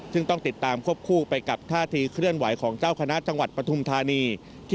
ซึ่งต้องติดตามควบคู่ไปกับท่าทีเคลื่อนไหวของเจ้าคณะจังหวัดปฐุมธานี